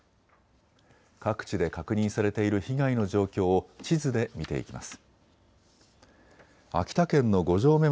各地で確認されている被害の状況を地図で見ていきます。